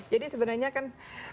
jadi sebenarnya kan